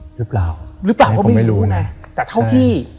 หรือเปล่าเขาไม่รู้นะแต่เท่าที่